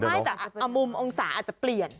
ไม่แต่มุมมองศาอาจจะเปลี่ยน